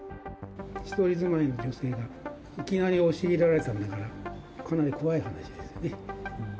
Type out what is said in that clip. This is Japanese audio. １人住まいの女性がいきなり押し入られたんだから、かなり怖い話ですね。